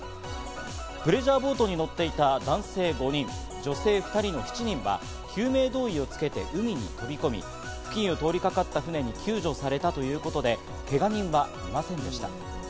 プレジャーボートに乗っていた男性５人、女性２人の７人が救命胴衣を着けて、海に飛び込み、付近を通りかかった船に救助されたということで、けが人はいませんでした。